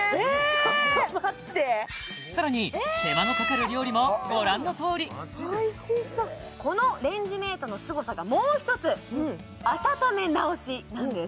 ちょっと待ってさらに手間のかかる料理もご覧のとおりこのレンジメートのすごさがもう１つ温めなおしなんです